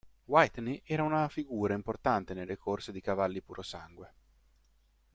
Whitney era una figura importante nelle corse di cavalli purosangue.